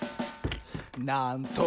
「なんと！